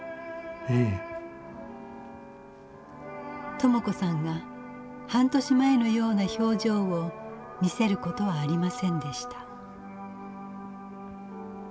朋子さんが半年前のような表情を見せることはありませんでした。